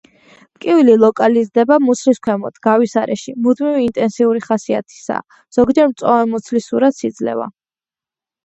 ტკივილი ლოკალიზდება მუცლის ქვემოთ, გავის არეში, მუდმივი ინტენსიური ხასიათისაა, ზოგჯერ მწვავე მუცლის სურათს იძლევა.